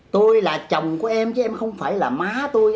tôi là chồng của em chứ em không phải là má tôi